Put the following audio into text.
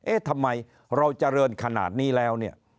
เอ๊ะทำไมเราเจริญขนาดนี้แล้วเนี่ย